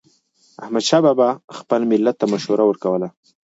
احمدشاه بابا به خپل ملت ته مشوره ورکوله.